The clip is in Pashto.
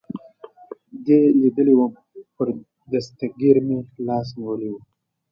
دې لیدلی ووم، پر دستګیر مې لاس نیولی و.